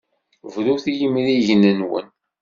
Brut i yemrigen-nwen!